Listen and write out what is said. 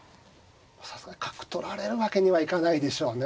さすがに角取られるわけにはいかないでしょうね。